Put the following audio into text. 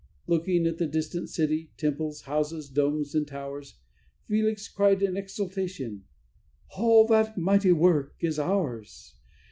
Looking at the distant city, temples, houses, domes, and towers, Felix cried in exultation: "All that mighty work is ours.